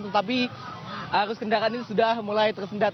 tetapi arus kendaraan ini sudah mulai tersendat